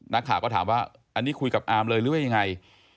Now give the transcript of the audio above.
นักข่าวก็ถามว่าอันนี้คุยกับอาร์มเลยหรือว่ายังไง